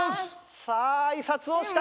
さあ挨拶をした。